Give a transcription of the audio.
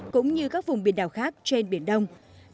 cũng như các vùng biển đảo khác trên biển đông